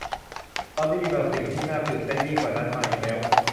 ตอนนี้มีบางสิ่งที่น่าตื่นเต้นยิ่งกว่านั้นมาอีกแล้ว